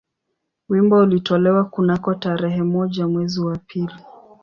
Wimbo ulitolewa kunako tarehe moja mwezi wa pili